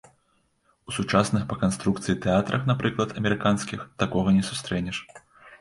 У сучасных па канструкцыі тэатрах, напрыклад, амерыканскіх, такога не сустрэнеш.